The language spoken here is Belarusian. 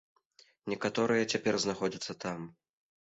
Некаторыя і цяпер знаходзяцца там.